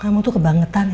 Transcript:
kamu tuh kebangetan edry